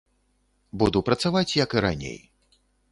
Буду працаваць, як і раней.